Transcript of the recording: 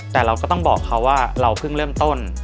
แต่เราก็ต้องบอกเขาว่าเราเพิ่งเริ่มต้น